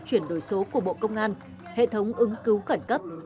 chuyển đổi số của bộ công an hệ thống ứng cứu khẩn cấp